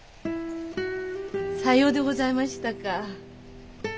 さようでございましたか。